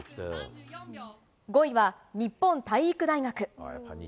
５位は、日本体育大学。